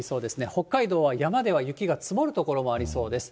北海道は山では雪が積もる所もありそうです。